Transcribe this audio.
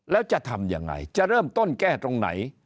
แล้วจะทำยังไงจะเริ่มต้นแก้ตรงไหน